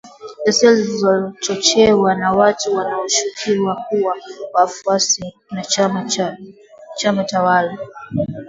ghasia zilizochochewa na watu wanaoshukiwa kuwa wafuasi wa chama tawala